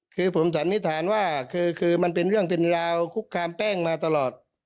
คือผมสันนิษฐานว่าคือมันเป็นเรื่องเป็นราวคุกคามแป้งมาตลอด